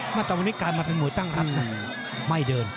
มาแต่วันนี้กลายมาเป็นมวยตั้งรำนะไม่เดิน